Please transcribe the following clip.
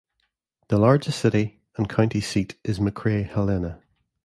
The largest city and county seat is McRae-Helena.